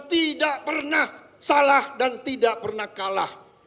tidak pernah salah dan tidak pernah kalah